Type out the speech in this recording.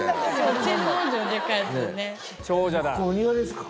ここお庭ですか。